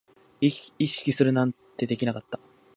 意識するなんてできなかった